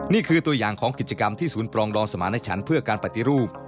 นี่คือตัวอย่างของกิจกรรมที่ศูนย์ปรองดองสมาณฉันเพื่อการปฏิรูป